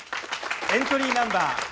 エントリーナンバー